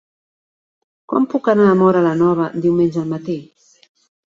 Com puc anar a Móra la Nova diumenge al matí?